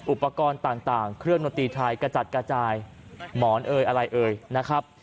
อุปกรณ์ต่างเครื่องดนตรีไทยกระจัดกระจายหมอนเอ่ยอะไรเอ่ยนะครับ